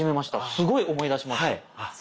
すごい思い出しました。